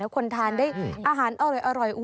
คนทานได้อาหารอร่อย